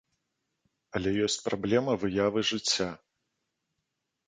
Але ёсць праблема выявы жыцця.